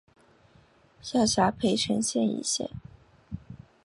下辖涪城县一县。